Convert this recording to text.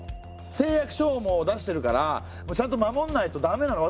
誓約書をもう出してるからちゃんと守んないとだめなの。